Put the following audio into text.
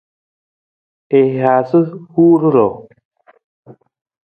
I haasa huur ruu.